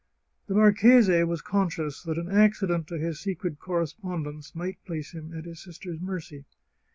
The marchese was conscious that an accident to his secret correspondence might place him at his sister's mercy.